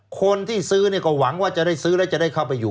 คนที่ซื้อเนี่ยก็หวังว่าจะได้ซื้อแล้วจะได้เข้าไปอยู่